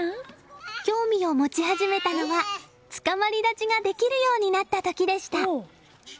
興味を持ち始めたのはつかまり立ちができるようになった時でした。